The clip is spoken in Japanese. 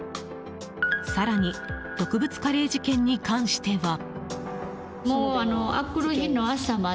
更に毒物カレー事件に関しては。